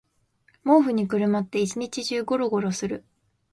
毛布にくるまって一日中ゴロゴロする